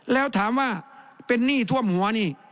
แล้วถามว่าเป็นหนี้ท่วมหัวนี่